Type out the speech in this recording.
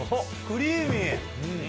クリーミー。